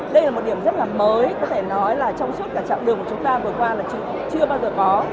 đây là một điểm rất là mới có thể nói là trong suốt cả chặng đường của chúng ta vừa qua là chúng chưa bao giờ có